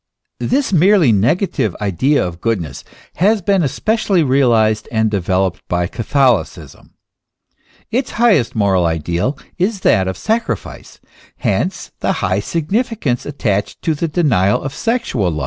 This merely negative idea of goodness has been especially realized and developed by Catholicism. Its highest moral idea is that of sacrifice ; hence the high signifi cance attached to the denial of sexual love, to virginity.